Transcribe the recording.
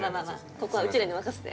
ここはうちらに任せて。